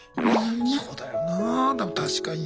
そうだよなでも確かに。